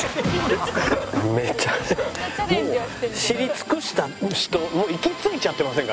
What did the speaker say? もう知り尽くした人のもう行き着いちゃってませんか？